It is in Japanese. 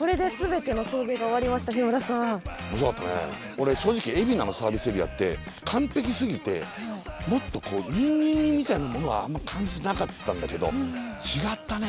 俺正直海老名のサービスエリアって完璧すぎてもっと人間味みたいなものはあんま感じてなかったんだけど違ったね。